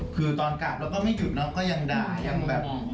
คือตอนกลับเราก็ไม่หยุดเราก็ยังด่ายังแบบ